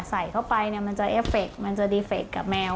ใส่เข้าไปเนี่ยมันจะเอฟเฟคมันจะดีเฟคกับแมว